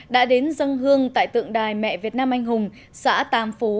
đã đến dân hương tại tượng đài mẹ việt nam anh hùng xã tam phú